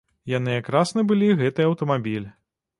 Яны якраз набылі гэты аўтамабіль.